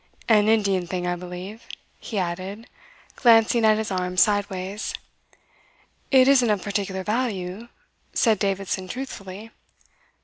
"An Indian thing, I believe," he added, glancing at his arm sideways. "It isn't of particular value," said Davidson truthfully.